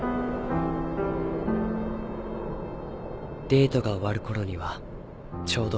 デートが終わる頃にはちょうど。